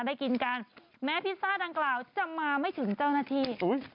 ได้กินกันแม้พิซซ่าดังกล่าวจะมาไม่ถึงเจ้าหน้าที่